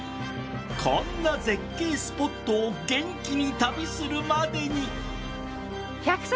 こんな絶景スポットを元気に旅するまでに。